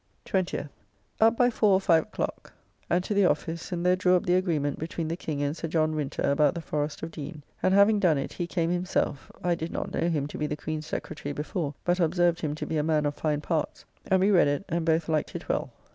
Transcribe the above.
20th. Up by four or five o'clock, and to the office, and there drew up the agreement between the King and Sir John Winter about the Forrest of Deane; and having done it, he came himself (I did not know him to be the Queen's Secretary before, but observed him to be a man of fine parts); and we read it, and both liked it well.